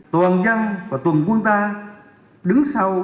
toàn nhân và toàn quân ta đứng sau